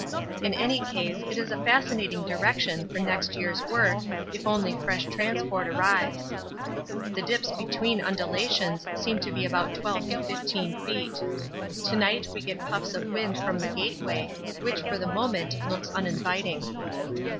In any case it is a fascinating direction for next year's work if only fresh transport arrives. The dips between undulations seem to be about 12 to 15 feet. To night we get puffs of wind from the gateway, which for the moment looks uninviting.